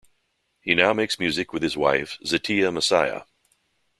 He now makes music with his wife Zeeteah Massiah.